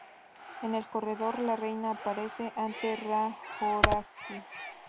En el corredor, la reina aparece ante Ra-Horajti.